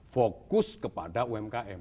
fokus kepada umkm